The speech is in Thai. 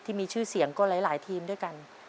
ที่มีชื่อเสียงก็หลายทีมด้วยกัน